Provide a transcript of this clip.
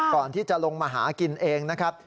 ก่อนที่จะลงมาหากินเองนะครับ